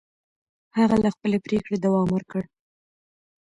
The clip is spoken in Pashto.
هغه له خپلې پرېکړې دوام ورکړ.